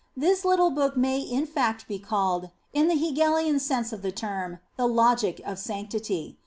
This little book may in fact be called, in the Hegelian sense of the term, the Logic of sanctity.